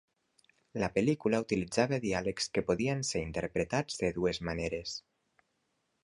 La pel·lícula utilitzava diàlegs que podien ser interpretats de dues maneres.